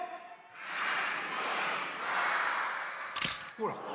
ほら！